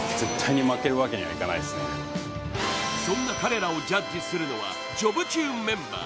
そんな彼らをジャッジするのは、「ジョブチューン」メンバー。